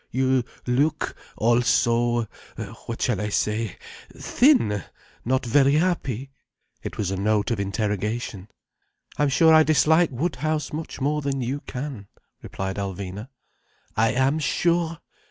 You look—also—what shall I say—thin, not very happy." It was a note of interrogation. "I'm sure I dislike Woodhouse much more than you can," replied Alvina. "I am sure.